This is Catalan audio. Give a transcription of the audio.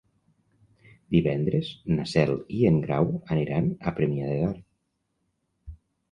Divendres na Cel i en Grau aniran a Premià de Dalt.